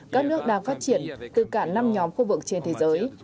các nước đang phát triển từ cả năm nhóm khu vực trên thế giới